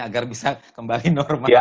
agar bisa kembali normal